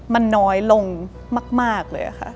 มันน้อยลงมากเลยค่ะ